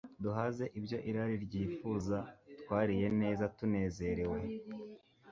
duhaze ibyo irari ryifuza Twariye neza tunezerewe